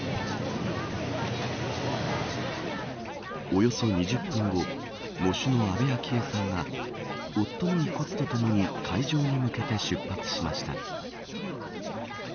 およそ２０分後喪主の安倍昭恵さんが夫の遺骨とともに会場に向けて出発しました。